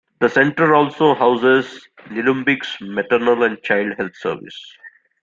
The centre also houses Nillumbik's Maternal and Child Health Service.